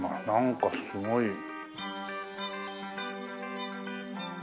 なんかすごい。